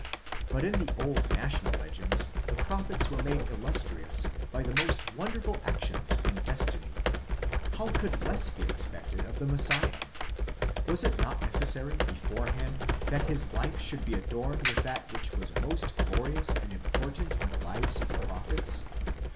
But in the old national legends the prophets were made illustrious by the most wonderful actions and destiny. How could less be expected of the Messiah? Was it not necessary beforehand, that his life should be adorned with that which was most glorious and important in the lives of the prophets?